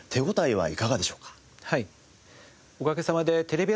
はい。